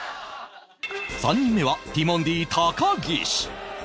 ３人目はティモンディ高岸